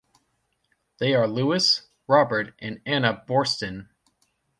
They are Louis, Robert and Anna Boorstin.